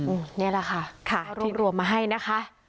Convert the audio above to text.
อืมนี่ละค่ะรวมมาให้นะคะ